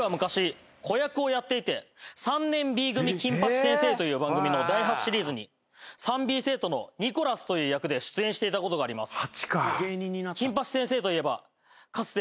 『３年Ｂ組金八先生』という番組の第８シリーズに３Ｂ生徒のニコラスという役で出演していたことがあります。